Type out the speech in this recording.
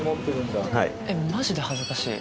マジで恥ずかしい。